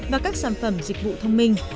và các sản phẩm dịch vụ thông minh